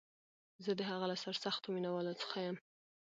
زه د هغه له سرسختو مینوالو څخه یم